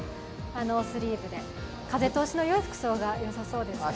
ノースリーブで、風通しのよい服装がよさそうですね。